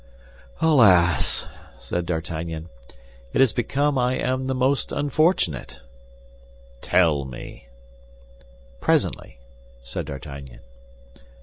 "Alas," said D'Artagnan, "it is because I am the most unfortunate." "Tell me." "Presently," said D'Artagnan.